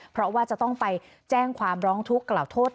เพราะว่าจะต้องไปแจ้งความร้องทุกข์กล่าวโทษ